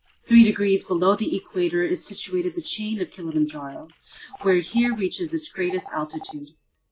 Three degrees below the Equator is situated the chain of Kilimanjaro, which here reaches its greatest altitude.